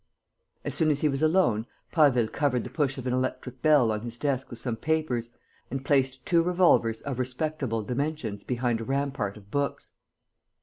As soon as he was alone, Prasville covered the push of an electric bell on his desk with some papers and placed two revolvers of respectable dimensions behind a rampart of books.